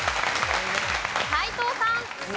斎藤さん。